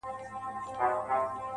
ته د رنگونو د خوبونو و سهار ته گډه,